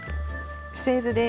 製図です。